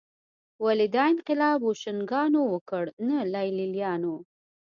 ولې دا انقلاب بوشونګانو وکړ نه لېلیانو